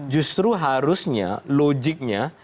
justru harusnya logiknya